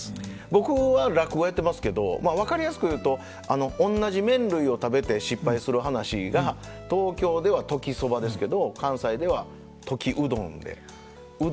僕は落語やってますけど分かりやすく言うとおんなじ麺類を食べて失敗する噺が東京では「時そば」ですけど関西では「時うどん」でう